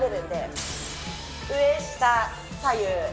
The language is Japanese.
上下左右。